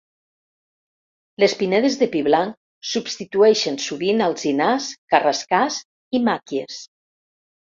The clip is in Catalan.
Les pinedes de pi blanc substitueixen sovint alzinars, carrascars i màquies.